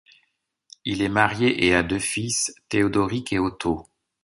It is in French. Il est marié et a deux fils, Thédoric et Otto.